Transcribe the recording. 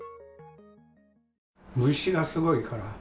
虫がすごいから。